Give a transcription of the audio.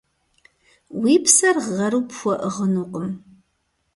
Уи псэр гъэру пхуэӏыгъынукъым.